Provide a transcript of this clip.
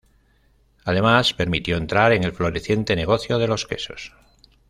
Además permitió entrar en el floreciente negocio de los quesos.